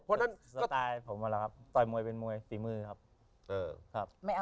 สไตล์ผมเอาล่ะครับต่อยมวยเป็นมวยตีมือครับ